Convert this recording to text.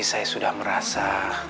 saya sudah merasa